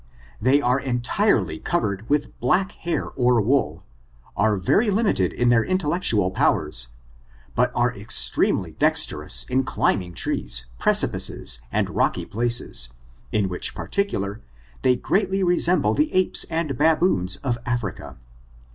They are entirely covered with black hair or wool, are very limited in their inteUect> ual powers, but are extremely dexterous in climbing trees, precipices, and rocky places, in which particur lar they greatly resemble the apes and baboons of Af> rica.